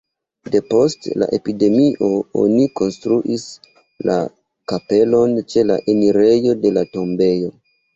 Depost la epidemio oni konstruis la kapelon ĉe la enirejo de la tombejo.